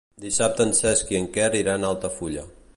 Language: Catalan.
Dissabte en Cesc i en Quer iran a Altafulla.